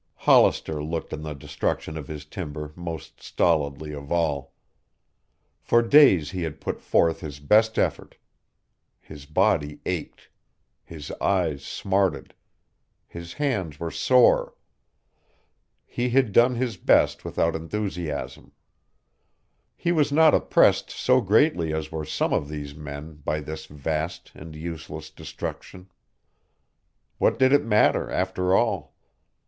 Hollister looked on the destruction of his timber most stolidly of all. For days he had put forth his best effort. His body ached. His eyes smarted. His hands were sore. He had done his best without enthusiasm. He was not oppressed so greatly as were some of these men by this vast and useless destruction. What did it matter, after all?